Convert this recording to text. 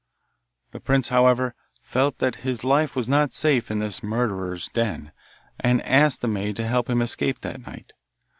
The prince, however, felt that his life was not safe in this murderer's den, and asked the maid to help him to escape that night.